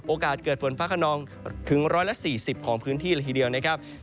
เกิดฝนฟ้าขนองถึง๑๔๐ของพื้นที่ละทีเดียวนะครับ